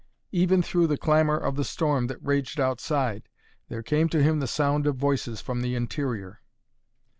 Even through the clamor of the storm that raged outside there came to him the sound of voices from the interior.